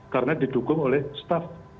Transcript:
karena didukung oleh staff